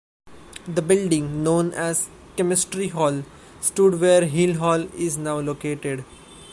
The building, known as "Chemistry Hall," stood where Hill Hall is now located.